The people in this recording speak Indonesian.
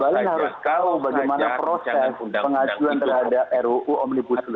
saya tahu bagaimana proses pengajuan terhadap ruu omnipusul ijo